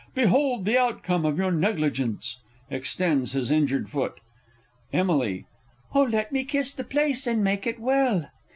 Behold the outcome of your negligence! [Extends his injured foot. Emily. Oh, let me kiss the place and make it well!